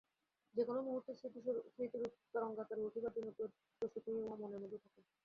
যে-কোন মুহূর্তে স্মৃতিরূপ তরঙ্গাকারে উঠিবার জন্য প্রস্তুত হইয়া উহা মনের মধ্যেই থাকে।